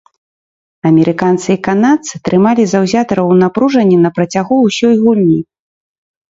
Амерыканцы і канадцы трымалі заўзятараў у напружанні на працягу ўсёй гульні.